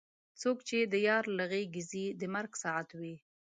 څوک چې یار له غېږې ځي د مرګ ساعت وي.